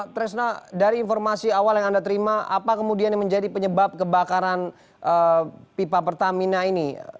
tresna dari informasi awal yang anda terima apa kemudian yang menjadi penyebab kebakaran pipa pertamina ini